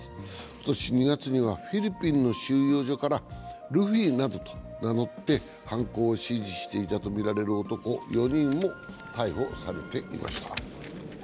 今年２月にはフィリピンの収容所から、ルフィなどと名乗って犯行を指示していたとみられる男４人も逮捕されていました。